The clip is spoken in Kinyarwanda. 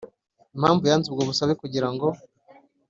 impamvu yanze ubwo busabe kugira ngo